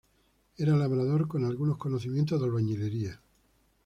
Era labrador con algunos conocimientos de albañilería.